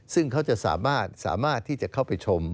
ซึ่งเขาจะสามารถที่จะเข้าไปชม